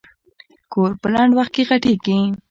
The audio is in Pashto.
کور په لنډ وخت کې غټېږي.